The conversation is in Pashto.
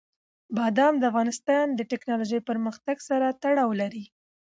بادام د افغانستان د تکنالوژۍ پرمختګ سره تړاو لري.